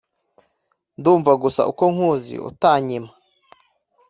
Ndumva gusa uko nkuzi Utanyima